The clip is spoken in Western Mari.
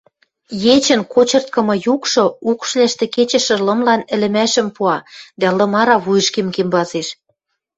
Ечӹн кочырткымы юкшы укшвлӓшты кечӹшӹ лымлан ӹлӹмӓшӹм пуа, дӓ лым ара вуйышкем кенвазеш.